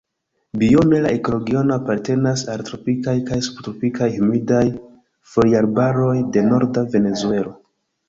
Biome la ekoregiono apartenas al tropikaj kaj subtropikaj humidaj foliarbaroj de norda Venezuelo.